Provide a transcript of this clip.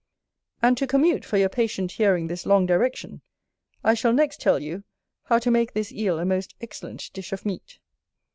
And to commute for your patient hearing this long direction, I shall next tell you, how to make this Eel a most excellent dish of meat.